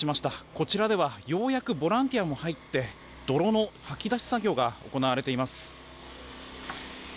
こちらではようやくボランティアも入って泥のかき出し作業が行われています。